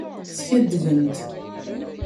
Skaddbent.